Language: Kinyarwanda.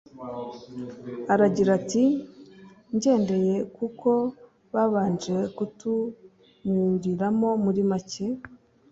Aragira ati “Ngendeye ku ko babanje kutunyuriramo muri make